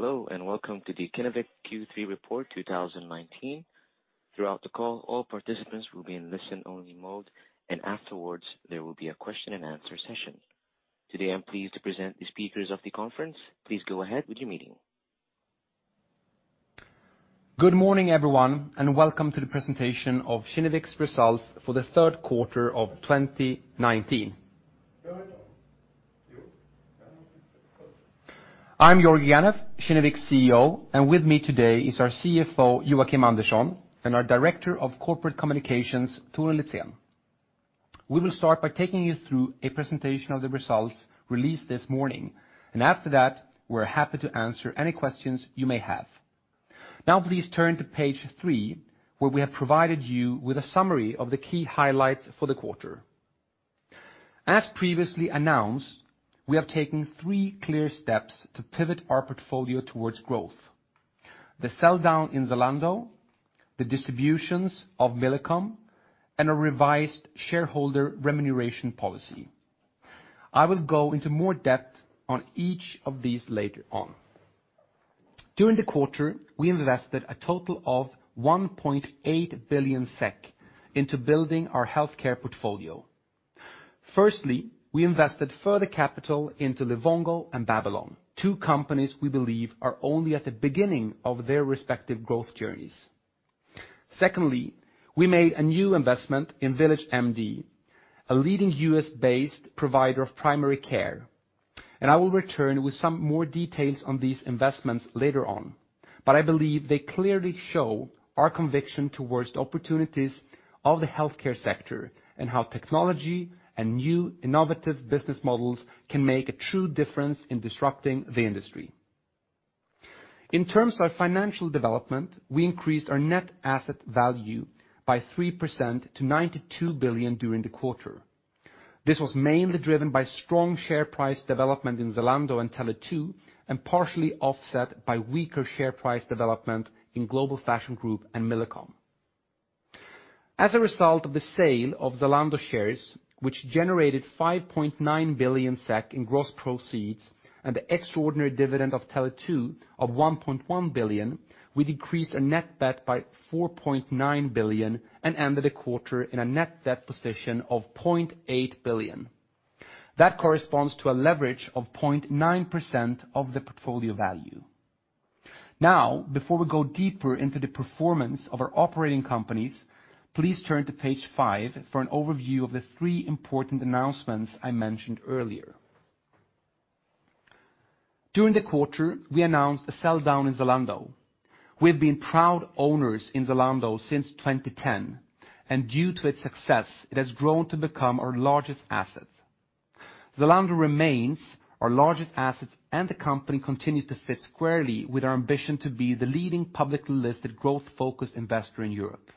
Hello, welcome to the Kinnevik Q3 Report 2019. Throughout the call, all participants will be in listen-only mode, and afterwards there will be a question and answer session. Today, I'm pleased to present the speakers of the conference. Please go ahead with your meeting. Good morning, everyone, and welcome to the presentation of Kinnevik's results for the third quarter of 2019. I'm Georgi Ganev, Kinnevik's CEO, and with me today is our CFO, Joakim Andersson, and our Director of Corporate Communications, Torun Litzén. We will start by taking you through a presentation of the results released this morning, and after that, we're happy to answer any questions you may have. Please turn to page three, where we have provided you with a summary of the key highlights for the quarter. As previously announced, we have taken three clear steps to pivot our portfolio towards growth. The sell-down in Zalando, the distributions of Millicom, and a revised shareholder remuneration policy. I will go into more depth on each of these later on. During the quarter, we invested a total of 1.8 billion SEK into building our healthcare portfolio. Firstly, we invested further capital into Livongo and Babylon, two companies we believe are only at the beginning of their respective growth journeys. Secondly, we made a new investment in VillageMD, a leading U.S.-based provider of primary care, and I will return with some more details on these investments later on. I believe they clearly show our conviction towards the opportunities of the healthcare sector and how technology and new innovative business models can make a true difference in disrupting the industry. In terms of our financial development, we increased our net asset value by 3% to 92 billion during the quarter. This was mainly driven by strong share price development in Zalando and Tele2, and partially offset by weaker share price development in Global Fashion Group and Millicom. As a result of the sale of Zalando shares, which generated 5.9 billion SEK in gross proceeds and the extraordinary dividend of Tele2 of 1.1 billion, we decreased our net debt by 4.9 billion and ended the quarter in a net debt position of 0.8 billion. That corresponds to a leverage of 0.9% of the portfolio value. Before we go deeper into the performance of our operating companies, please turn to page five for an overview of the three important announcements I mentioned earlier. During the quarter, we announced a sell-down in Zalando. We have been proud owners in Zalando since 2010, and due to its success, it has grown to become our largest asset. Zalando remains our largest asset, and the company continues to fit squarely with our ambition to be the leading publicly listed growth-focused investor in Europe.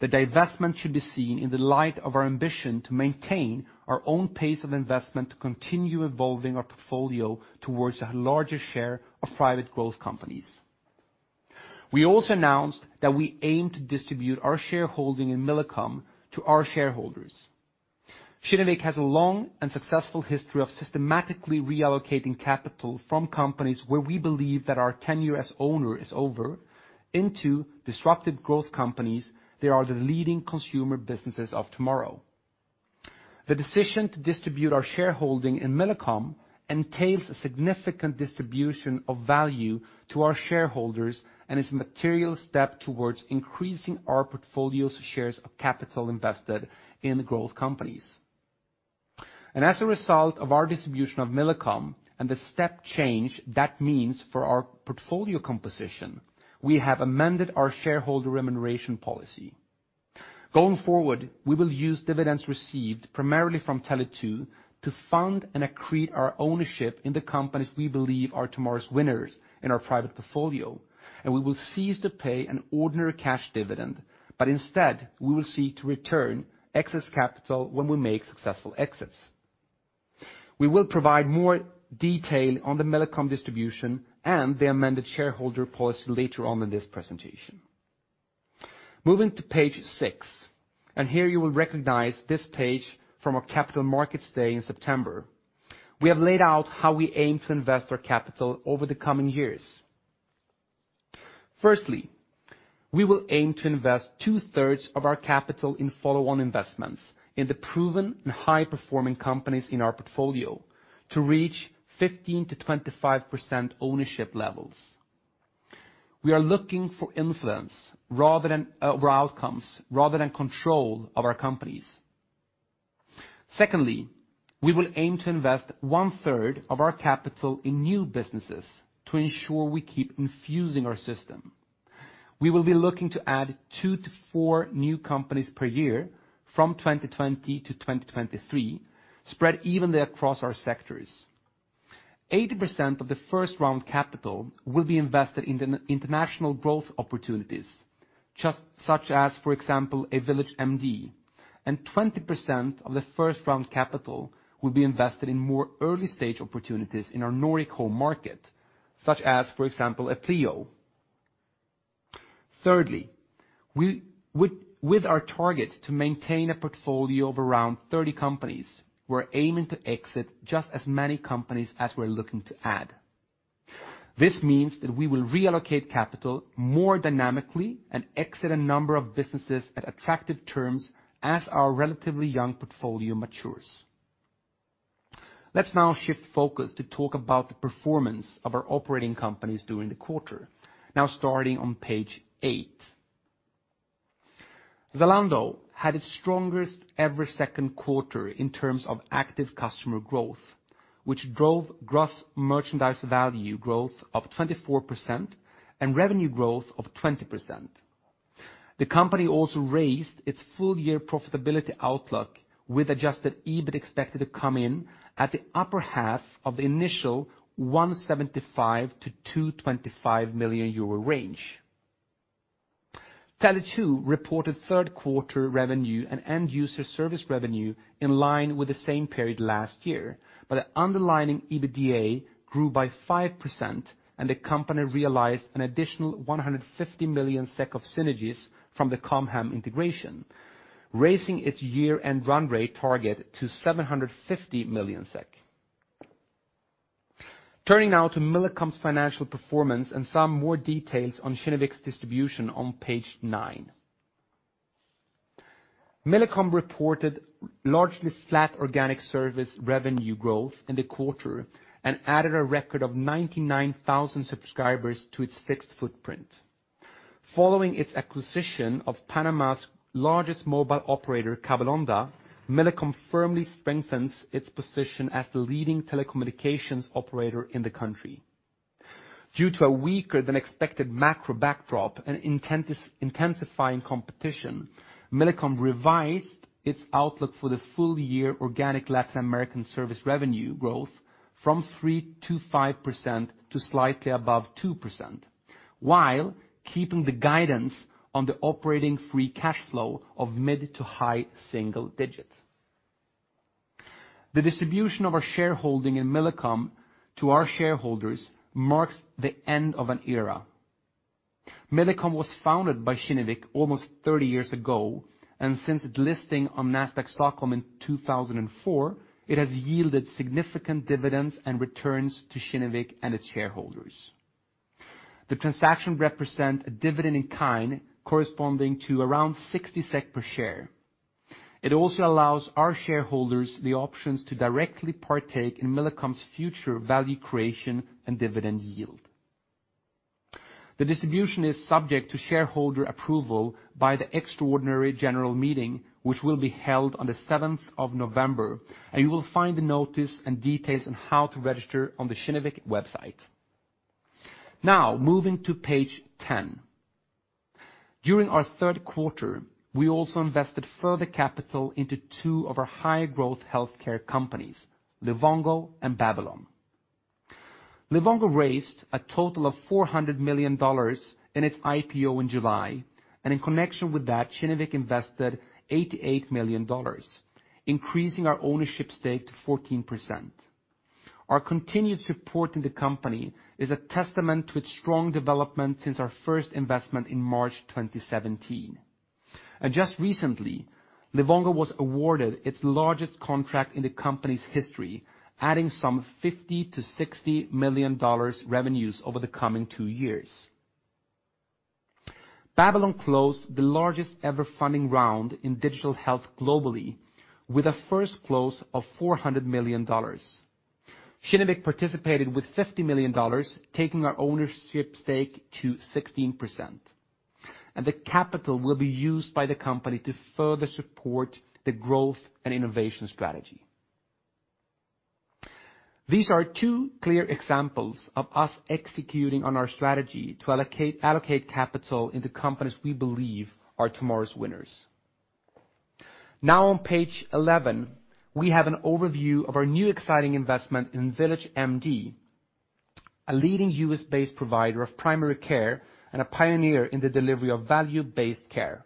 The divestment should be seen in the light of our ambition to maintain our own pace of investment to continue evolving our portfolio towards a larger share of private growth companies. We also announced that we aim to distribute our shareholding in Millicom to our shareholders. Kinnevik has a long and successful history of systematically reallocating capital from companies where we believe that our tenure as owner is over into disruptive growth companies that are the leading consumer businesses of tomorrow. The decision to distribute our shareholding in Millicom entails a significant distribution of value to our shareholders and is a material step towards increasing our portfolio's shares of capital invested in growth companies. As a result of our distribution of Millicom and the step change that means for our portfolio composition, we have amended our shareholder remuneration policy. Going forward, we will use dividends received primarily from Tele2 to fund and accrete our ownership in the companies we believe are tomorrow's winners in our private portfolio. We will cease to pay an ordinary cash dividend, instead, we will seek to return excess capital when we make successful exits. We will provide more detail on the Millicom distribution and the amended shareholder policy later on in this presentation. Moving to page six, here you will recognize this page from our capital markets day in September. We have laid out how we aim to invest our capital over the coming years. Firstly, we will aim to invest two-thirds of our capital in follow-on investments in the proven and high-performing companies in our portfolio to reach 15%-25% ownership levels. We are looking for influence over outcomes rather than control of our companies. Secondly, we will aim to invest one-third of our capital in new businesses to ensure we keep infusing our system. We will be looking to add two to four new companies per year from 2020 to 2023, spread evenly across our sectors. 80% of the first-round capital will be invested in international growth opportunities, such as, for example, a VillageMD, and 20% of the first-round capital will be invested in more early-stage opportunities in our Nordic home market, such as, for example, a Pleo. Thirdly, with our target to maintain a portfolio of around 30 companies, we are aiming to exit just as many companies as we are looking to add. This means that we will reallocate capital more dynamically and exit a number of businesses at attractive terms as our relatively young portfolio matures. Let us now shift focus to talk about the performance of our operating companies during the quarter. Starting on page eight. Zalando had its strongest ever second quarter in terms of active customer growth, which drove Gross Merchandise Value growth of 24% and revenue growth of 20%. The company also raised its full year profitability outlook with adjusted EBIT expected to come in at the upper half of the initial 175 million-225 million euro range. Tele2 reported third quarter revenue and end user service revenue in line with the same period last year. The underlying EBITDA grew by 5% and the company realized an additional 150 million SEK of synergies from the Com Hem integration, raising its year-end run rate target to 750 million SEK. Turning now to Millicom's financial performance and some more details on Kinnevik's distribution on page nine. Millicom reported largely flat organic service revenue growth in the quarter and added a record of 99,000 subscribers to its fixed footprint. Following its acquisition of Panama's largest mobile operator, Cable Onda, Millicom firmly strengthens its position as the leading telecommunications operator in the country. Due to a weaker than expected macro backdrop and intensifying competition, Millicom revised its outlook for the full year organic Latin American service revenue growth from 3%-5% to slightly above 2%, while keeping the guidance on the operating free cash flow of mid to high single digits. The distribution of our shareholding in Millicom to our shareholders marks the end of an era. Millicom was founded by Kinnevik almost 30 years ago, and since its listing on Nasdaq Stockholm in 2004, it has yielded significant dividends and returns to Kinnevik and its shareholders. The transaction represent a dividend in kind corresponding to around 60 SEK per share. It also allows our shareholders the options to directly partake in Millicom's future value creation and dividend yield. The distribution is subject to shareholder approval by the extraordinary general meeting, which will be held on the 7th of November. You will find the notice and details on how to register on the Kinnevik website. Now moving to page 10. During our third quarter, we also invested further capital into two of our higher growth healthcare companies, Livongo and Babylon. Livongo raised a total of $400 million in its IPO in July. In connection with that, Kinnevik invested $88 million, increasing our ownership stake to 14%. Our continued support in the company is a testament to its strong development since our first investment in March 2017. Just recently, Livongo was awarded its largest contract in the company's history, adding some $50 million-$60 million revenues over the coming two years. Babylon closed the largest ever funding round in digital health globally with a first close of $400 million. Kinnevik participated with $50 million, taking our ownership stake to 16%. The capital will be used by the company to further support the growth and innovation strategy. These are two clear examples of us executing on our strategy to allocate capital into companies we believe are tomorrow's winners. On page 11, we have an overview of our new exciting investment in VillageMD, a leading U.S.-based provider of primary care and a pioneer in the delivery of value-based care.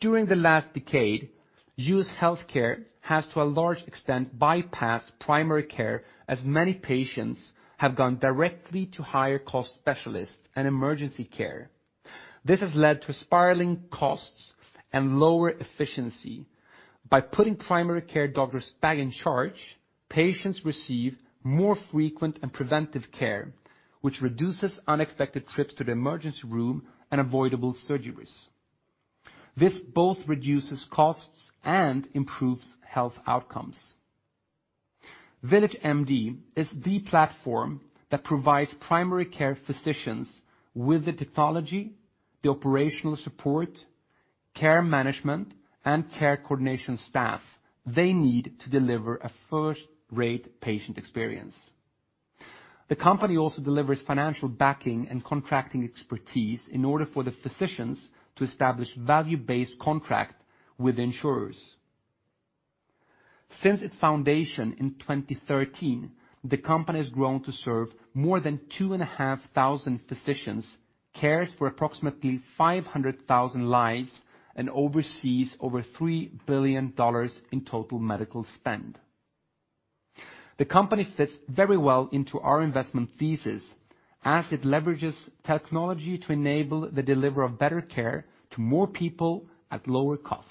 During the last decade, U.S. healthcare has, to a large extent, bypassed primary care as many patients have gone directly to higher cost specialists and emergency care. This has led to spiraling costs and lower efficiency. By putting primary care doctors back in charge, patients receive more frequent and preventive care, which reduces unexpected trips to the emergency room and avoidable surgeries. This both reduces costs and improves health outcomes. VillageMD is the platform that provides primary care physicians with the technology, the operational support, care management, and care coordination staff they need to deliver a first-rate patient experience. The company also delivers financial backing and contracting expertise in order for the physicians to establish value-based contract with insurers. Since its foundation in 2013, the company has grown to serve more than 2,500 physicians, cares for approximately 500,000 lives, and oversees over $3 billion in total medical spend. The company fits very well into our investment thesis as it leverages technology to enable the delivery of better care to more people at lower cost.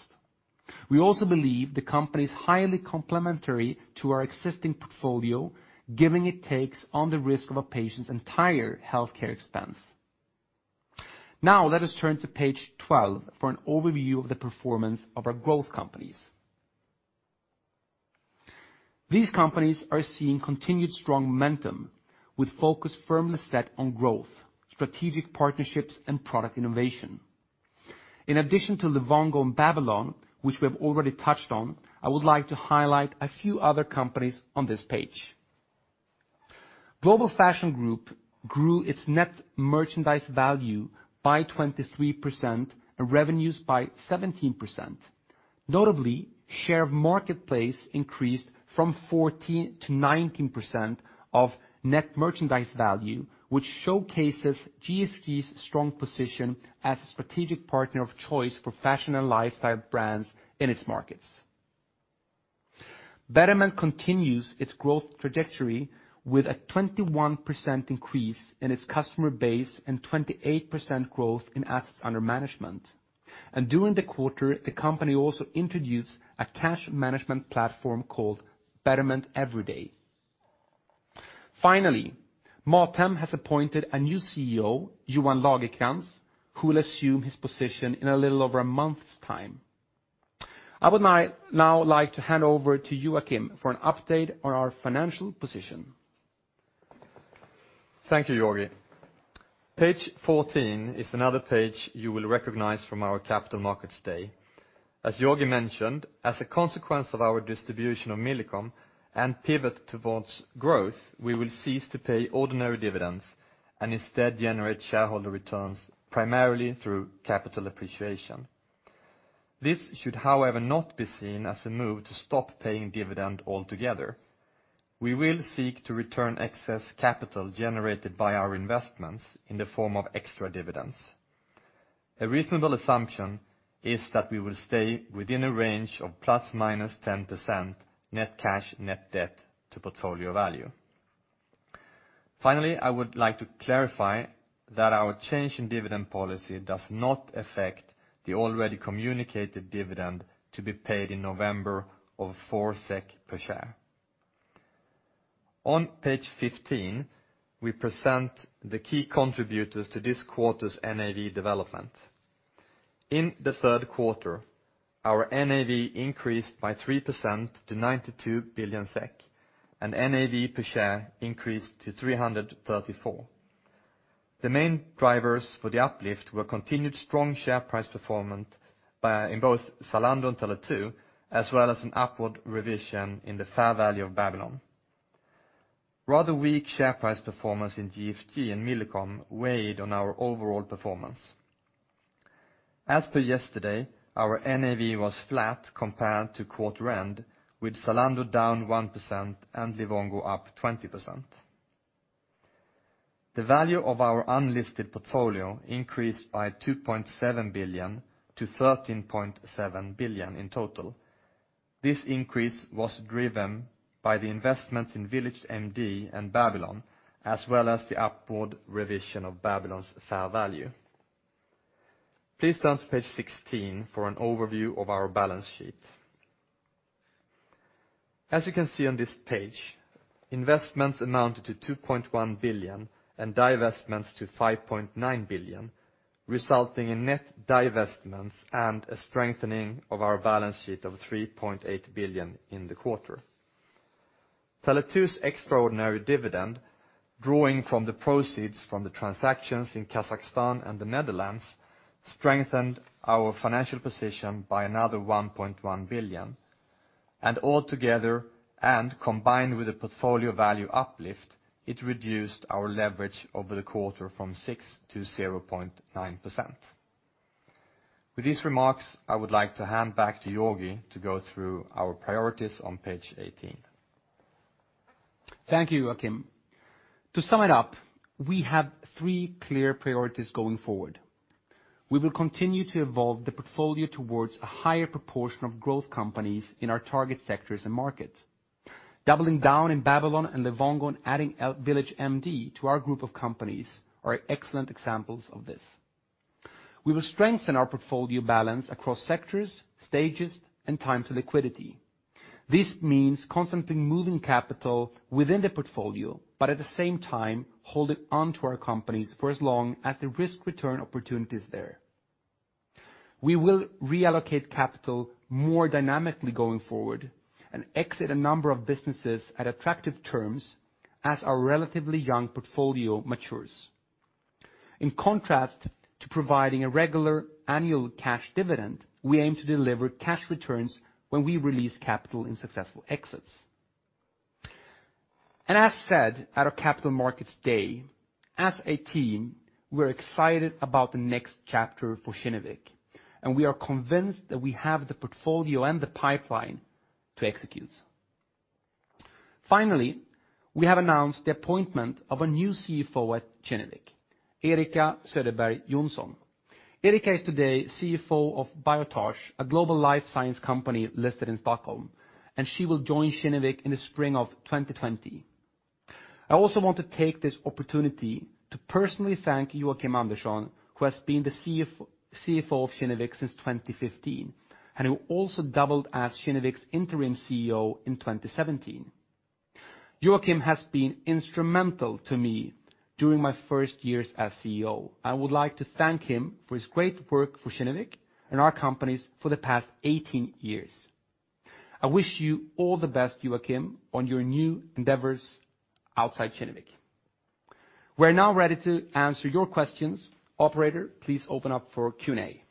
We also believe the company is highly complementary to our existing portfolio, giving it takes on the risk of a patient's entire healthcare expense. Now let us turn to page 12 for an overview of the performance of our growth companies. These companies are seeing continued strong momentum with focus firmly set on growth, strategic partnerships, and product innovation. In addition to Livongo and Babylon, which we have already touched on, I would like to highlight a few other companies on this page. Global Fashion Group grew its Net Merchandise Value by 23% and revenues by 17%. Notably, share of marketplace increased from 14%-19% of Net Merchandise Value, which showcases GFG's strong position as a strategic partner of choice for fashion and lifestyle brands in its markets. Betterment continues its growth trajectory with a 21% increase in its customer base and 28% growth in assets under management. During the quarter, the company also introduced a cash management platform called Betterment Cash Reserve. Finally, Mathem has appointed a new CEO, Johan Lagercrantz, who will assume his position in a little over a month's time. I would now like to hand over to you, Joakim, for an update on our financial position. Thank you, Georgi. Page 14 is another page you will recognize from our Capital Markets Day. As Georgi mentioned, as a consequence of our distribution of Millicom and pivot towards growth, we will cease to pay ordinary dividends and instead generate shareholder returns primarily through capital appreciation. This should, however, not be seen as a move to stop paying dividend altogether. We will seek to return excess capital generated by our investments in the form of extra dividends. A reasonable assumption is that we will stay within a range of ±10% net cash, net debt to portfolio value. Finally, I would like to clarify that our change in dividend policy does not affect the already communicated dividend to be paid in November of 4 SEK per share. On page 15, we present the key contributors to this quarter's NAV development. In the third quarter, our NAV increased by 3% to 92 billion SEK, and NAV per share increased to 334. The main drivers for the uplift were continued strong share price performance in both Zalando and Tele2, as well as an upward revision in the fair value of Babylon. Rather weak share price performance in GFG and Millicom weighed on our overall performance. As per yesterday, our NAV was flat compared to quarter end, with Zalando down 1% and Livongo up 20%. The value of our unlisted portfolio increased by 2.7 billion to 13.7 billion in total. This increase was driven by the investments in VillageMD and Babylon, as well as the upward revision of Babylon's fair value. Please turn to page 16 for an overview of our balance sheet. As you can see on this page, investments amounted to 2.1 billion and divestments to 5.9 billion, resulting in net divestments and a strengthening of our balance sheet of 3.8 billion in the quarter. Tele2's extraordinary dividend, drawing from the proceeds from the transactions in Kazakhstan and the Netherlands, strengthened our financial position by another 1.1 billion. Altogether and combined with a portfolio value uplift, it reduced our leverage over the quarter from 6% to 0.9%. With these remarks, I would like to hand back to Georgi to go through our priorities on page 18. Thank you, Joakim. To sum it up, we have three clear priorities going forward. We will continue to evolve the portfolio towards a higher proportion of growth companies in our target sectors and markets. Doubling down in Babylon and Livongo and adding VillageMD to our group of companies are excellent examples of this. We will strengthen our portfolio balance across sectors, stages, and time to liquidity. This means constantly moving capital within the portfolio, but at the same time, holding on to our companies for as long as the risk-return opportunity is there. We will reallocate capital more dynamically going forward and exit a number of businesses at attractive terms as our relatively young portfolio matures. In contrast to providing a regular annual cash dividend, we aim to deliver cash returns when we release capital in successful exits. As said at our Capital Markets Day, as a team, we're excited about the next chapter for Kinnevik, and we are convinced that we have the portfolio and the pipeline to execute. Finally, we have announced the appointment of a new CFO at Kinnevik, Erika Söderberg Johnson. Erika is today CFO of Biotage, a global life science company listed in Stockholm, and she will join Kinnevik in the spring of 2020. I also want to take this opportunity to personally thank Joakim Andersson, who has been the CFO of Kinnevik since 2015, and who also doubled as Kinnevik's interim CEO in 2017. Joakim has been instrumental to me during my first years as CEO. I would like to thank him for his great work for Kinnevik and our companies for the past 18 years. I wish you all the best, Joakim, on your new endeavors outside Kinnevik. We are now ready to answer your questions. Operator, please open up for Q&A.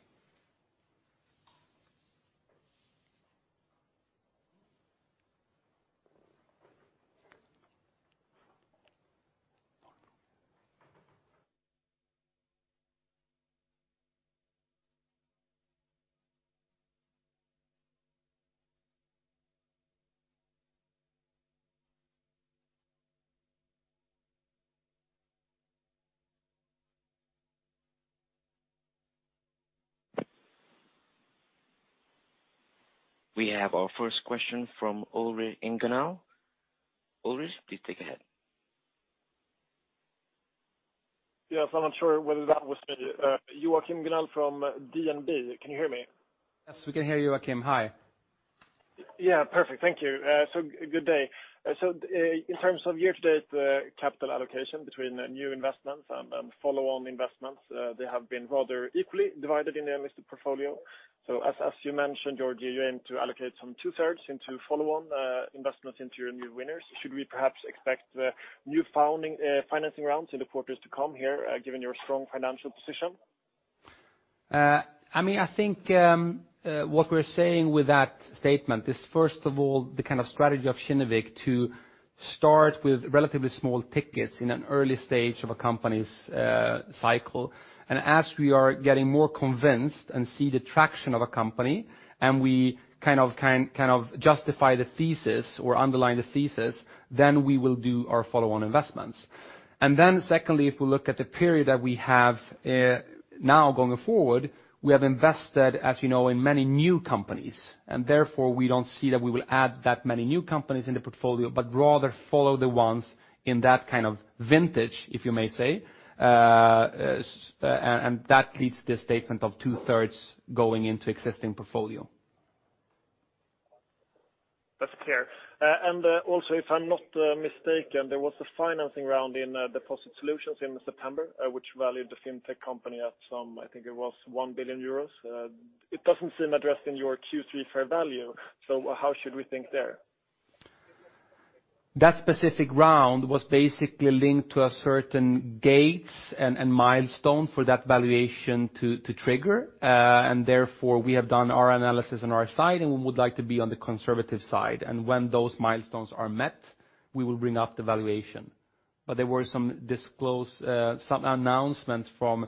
We have our first question from Ulric Inginal. Ulric, please take it ahead. Yes, I'm not sure whether that was me. Joachim Gunell from DNB. Can you hear me? Yes, we can hear you, Joakim. Hi. Yeah, perfect. Thank you. Good day. In terms of year-to-date capital allocation between new investments and follow-on investments, they have been rather equally divided in the invested portfolio. As you mentioned, your aim to allocate some two-thirds into follow-on investments into your new winners. Should we perhaps expect new financing rounds in the quarters to come here given your strong financial position? I think what we're saying with that statement is, first of all, the kind of strategy of Kinnevik to start with relatively small tickets in an early stage of a company's cycle. As we are getting more convinced and see the traction of a company, and we kind of justify the thesis or underline the thesis, then we will do our follow-on investments. Secondly, if we look at the period that we have now going forward, we have invested, as you know, in many new companies, and therefore, we don't see that we will add that many new companies in the portfolio, but rather follow the ones in that kind of vintage, if you may say, and that leads the statement of two-thirds going into existing portfolio. That's clear. If I'm not mistaken, there was a financing round in Deposit Solutions in September, which valued the fintech company at some, I think it was 1 billion euros. It doesn't seem addressed in your Q3 fair value, so how should we think there? That specific round was basically linked to a certain gates and milestone for that valuation to trigger. Therefore, we have done our analysis on our side, and we would like to be on the conservative side. When those milestones are met, we will bring up the valuation. There were some announcements from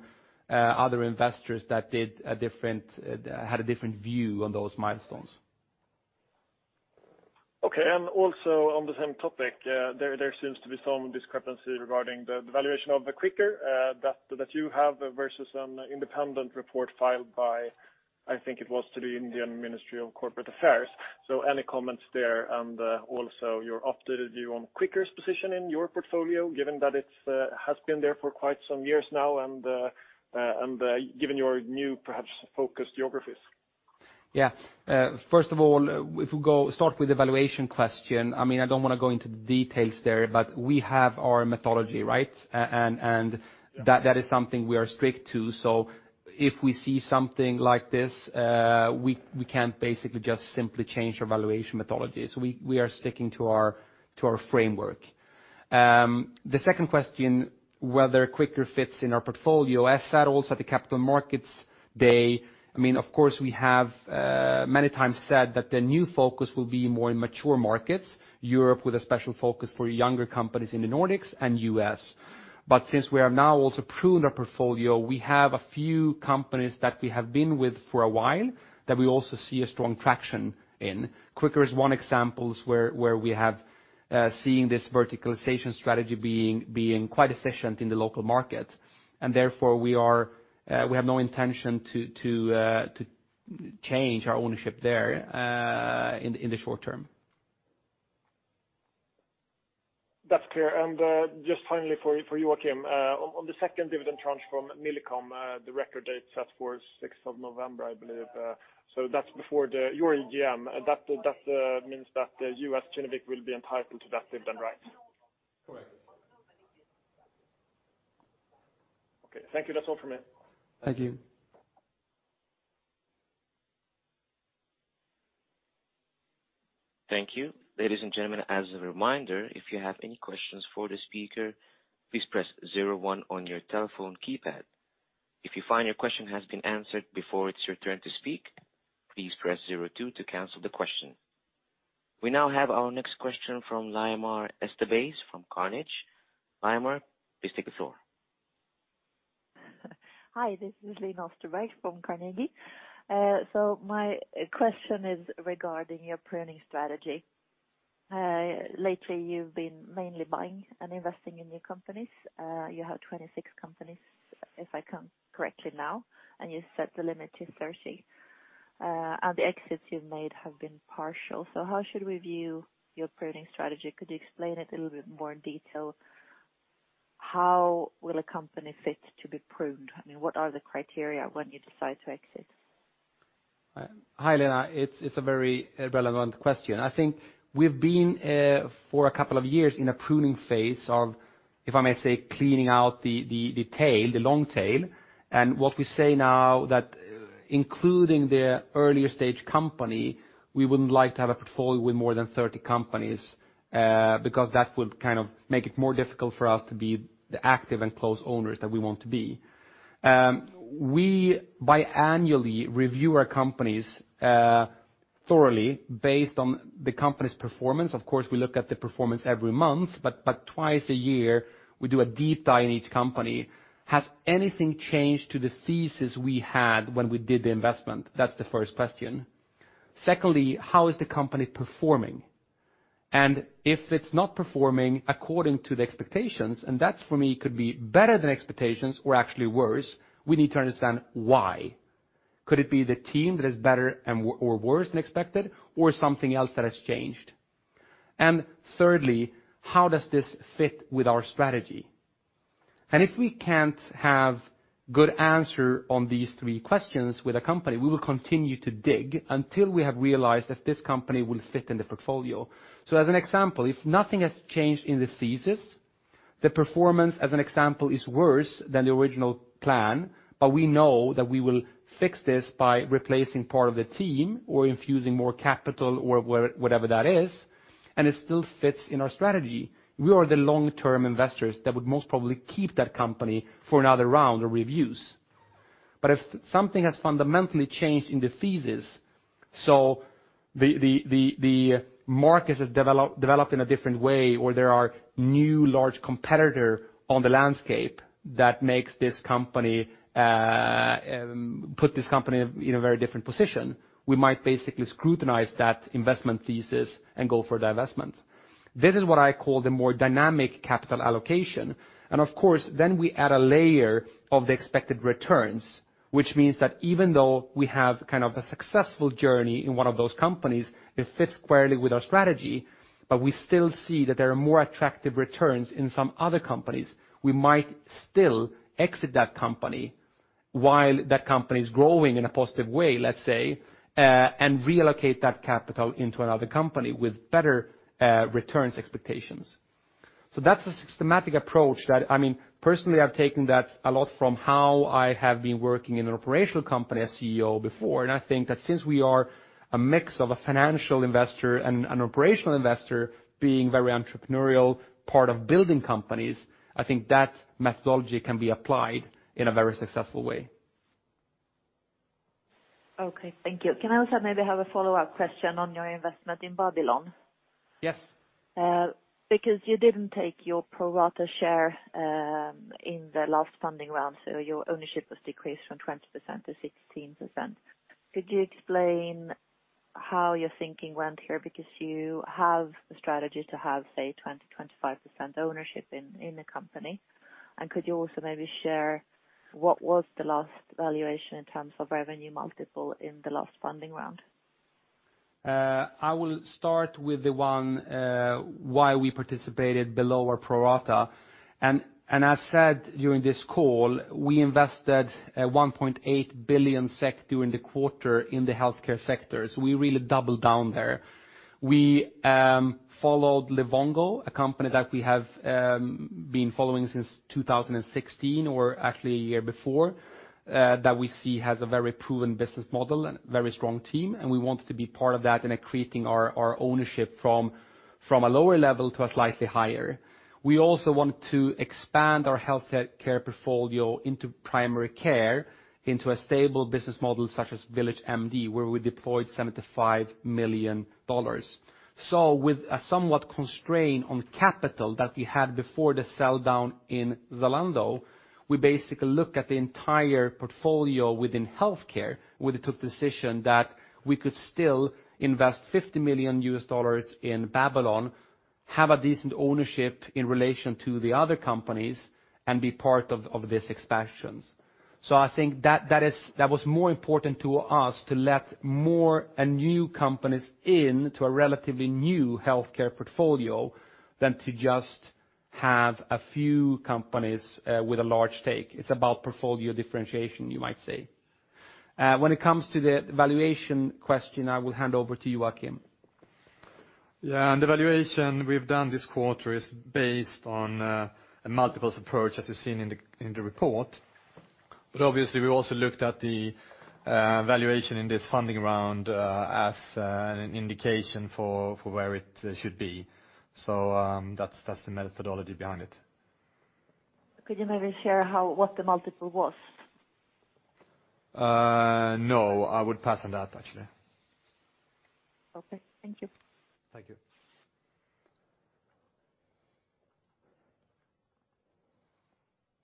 other investors that had a different view on those milestones. Also on the same topic, there seems to be some discrepancy regarding the valuation of Quikr, that you have versus an independent report filed by, I think it was to the Ministry of Corporate Affairs. Any comments there? Also your updated view on Quikr's position in your portfolio, given that it has been there for quite some years now and given your new, perhaps focused geographies. Yeah. First of all, if we start with the valuation question. I don't want to go into details there, but we have our methodology, right? Yeah. That is something we are strict to. If we see something like this, we can't basically just simply change our valuation methodology. We are sticking to our framework. The second question, whether Quikr fits in our portfolio. I said also at the capital markets day, of course, we have many times said that the new focus will be more in mature markets, Europe with a special focus for younger companies in the Nordics and US. Since we have now also pruned our portfolio, we have a few companies that we have been with for a while that we also see a strong traction in. Quikr is one example where we have seen this verticalization strategy being quite efficient in the local market, and therefore we have no intention to change our ownership there in the short term. That's clear. Just finally for Joakim, on the second dividend tranche from Millicom, the record date set for 6th of November, I believe. That's before your AGM. That means that you as Kinnevik will be entitled to that dividend right? Correct. Okay. Thank you. That's all from me. Thank you. Thank you. Ladies and gentlemen, as a reminder, if you have any questions for the speaker, please press 01 on your telephone keypad. If you find your question has been answered before it's your turn to speak, please press 02 to cancel the question. We now have our next question from Lena Österberg from Carnegie. Lena Österberg, please take the floor. Hi, this is Lena Österberg from Carnegie. My question is regarding your pruning strategy. Lately you've been mainly buying and investing in new companies. You have 26 companies, if I count correctly now, and you set the limit to 30. The exits you've made have been partial. How should we view your pruning strategy? Could you explain it a little bit more in detail? How will a company fit to be pruned? I mean, what are the criteria when you decide to exit? Hi, Lena. It's a very relevant question. I think we've been, for a couple of years, in a pruning phase of, if I may say, cleaning out the tail, the long tail. What we say now that including the earlier stage company, we wouldn't like to have a portfolio with more than 30 companies, because that would kind of make it more difficult for us to be the active and close owners that we want to be. We bi-annually review our companies thoroughly based on the company's performance. Of course, we look at the performance every month, but twice a year, we do a deep dive in each company. Has anything changed to the thesis we had when we did the investment? That's the first question. Secondly, how is the company performing? If it's not performing according to the expectations, and that for me could be better than expectations or actually worse, we need to understand why. Could it be the team that is better or worse than expected? Something else that has changed? Thirdly, how does this fit with our strategy? If we can't have good answer on these three questions with a company, we will continue to dig until we have realized that this company will fit in the portfolio. As an example, if nothing has changed in the thesis, the performance, as an example, is worse than the original plan, but we know that we will fix this by replacing part of the team or infusing more capital or whatever that is, and it still fits in our strategy, we are the long-term investors that would most probably keep that company for another round of reviews. If something has fundamentally changed in the thesis, so the market has developed in a different way, or there are new large competitor on the landscape that put this company in a very different position, we might basically scrutinize that investment thesis and go for divestment. This is what I call the more dynamic capital allocation. Of course, then we add a layer of the expected returns, which means that even though we have kind of a successful journey in one of those companies, it fits squarely with our strategy, but we still see that there are more attractive returns in some other companies, we might still exit that company while that company's growing in a positive way, let's say, and relocate that capital into another company with better returns expectations. That's a systematic approach. Personally, I've taken that a lot from how I have been working in an operational company as CEO before, and I think that since we are a mix of a financial investor and an operational investor, being very entrepreneurial, part of building companies, I think that methodology can be applied in a very successful way. Okay, thank you. Can I also maybe have a follow-up question on your investment in Babylon? Yes. You didn't take your pro rata share in the last funding round, your ownership was decreased from 20% to 16%. Could you explain how your thinking went here? You have the strategy to have, say, 20%-25% ownership in the company. Could you also maybe share what was the last valuation in terms of revenue multiple in the last funding round? I will start with the one why we participated below our pro rata. As said during this call, we invested 1.8 billion SEK during the quarter in the healthcare sector, so we really doubled down there. We followed Livongo, a company that we have been following since 2016, or actually a year before, that we see has a very proven business model and very strong team, and we wanted to be part of that in increasing our ownership from a lower level to a slightly higher. We also want to expand our healthcare portfolio into primary care, into a stable business model such as VillageMD, where we deployed SEK 75 million. With a somewhat constraint on capital that we had before the sell-down in Zalando, we basically look at the entire portfolio within healthcare. We took decision that we could still invest SEK 50 million in Babylon, have a decent ownership in relation to the other companies, and be part of these expansions. I think that was more important to us to let more and new companies in to a relatively new healthcare portfolio than to just have a few companies with a large stake. It's about portfolio differentiation, you might say. When it comes to the valuation question, I will hand over to you, Joakim. Yeah. The valuation we've done this quarter is based on a multiples approach, as you've seen in the report. Obviously, we also looked at the valuation in this funding round as an indication for where it should be. That's the methodology behind it. Could you maybe share what the multiple was? No, I would pass on that, actually. Okay. Thank you. Thank you.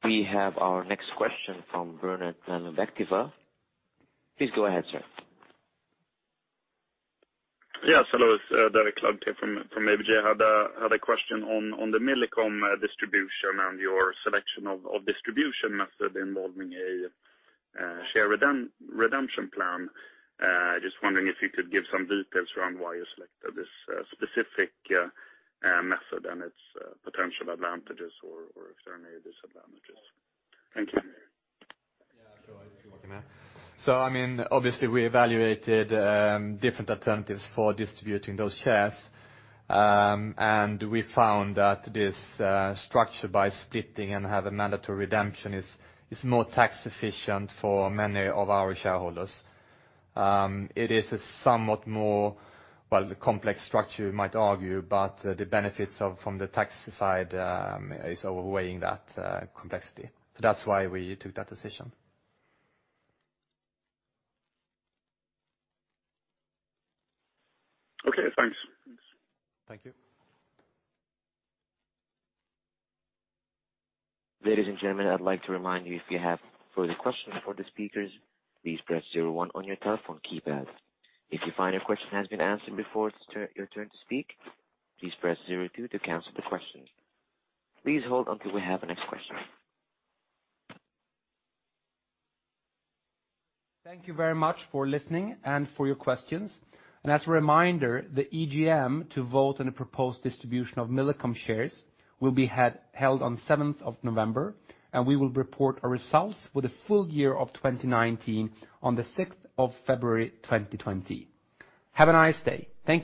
We have our next question from Vernon from [Equita. Please go ahead, sir. Yes, hello. It's Derek Laliberté from ABG. I had a question on the Millicom distribution and your selection of distribution method involving a share redemption plan. Just wondering if you could give some details around why you selected this specific method and its potential advantages or if there are any disadvantages. Thank you. Obviously we evaluated different alternatives for distributing those shares, we found that this structure by splitting and have a mandatory redemption is more tax efficient for many of our shareholders. It is a somewhat more complex structure you might argue, the benefits from the tax side is outweighing that complexity. That's why we took that decision. Okay, thanks. Thank you. Ladies and gentlemen, I'd like to remind you, if you have further questions for the speakers, please press 01 on your telephone keypad. If you find your question has been answered before your turn to speak, please press 02 to cancel the question. Please hold until we have the next question. Thank you very much for listening and for your questions. As a reminder, the EGM to vote on a proposed distribution of Millicom shares will be held on 7th of November. We will report our results for the full year of 2019 on the 6th of February 2020. Have a nice day. Thank you.